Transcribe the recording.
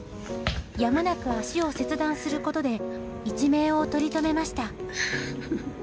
やむなく足を切断することで一命をとりとめました。